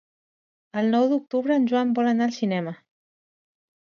El nou d'octubre en Joan vol anar al cinema.